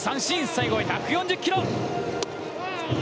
最後は１４０キロ。